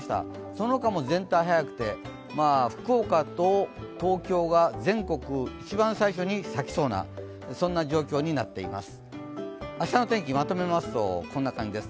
その他も全体早くて、福岡と東京が全国一番最初に咲きそうなそんな状況になっています。